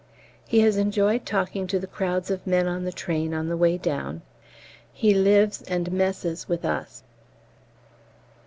He has enjoyed talking to the crowds of men on the train on the way down. He lives and messes with us.